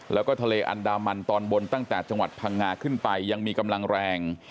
แล้วก็ทะเลอันดามันตอนบนตั้งแต่จังหวัดพังงาขึ้นไปยังมีกำลังแรง